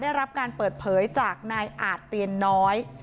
ได้รับการเปิดเผยจากนายอาจเตียนน้อย